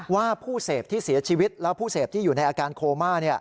ว่าผู้เสพที่เสียชีวิตและผู้เสพที่อยู่ในอาการโคม่า